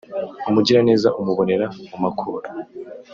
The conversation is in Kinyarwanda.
umugiraneza umubonera mu makuba